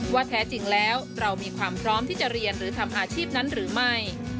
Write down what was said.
แท้จริงแล้วเรามีความพร้อมที่จะเรียนหรือทำอาชีพนั้นหรือไม่